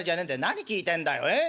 何聞いてんだよええ？